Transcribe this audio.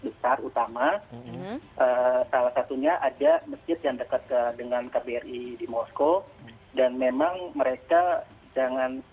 besar utama salah satunya ada masjid yang dekat dengan kbri di moskow dan memang mereka jangan